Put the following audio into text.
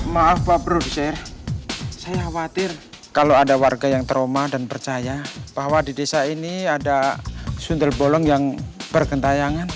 maaf pak produser saya khawatir kalau ada warga yang trauma dan percaya bahwa di desa ini ada sundel bolong yang bergentayangan